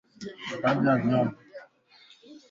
na kuchochea uhasama wa miaka mingi kati ya mataifa hayo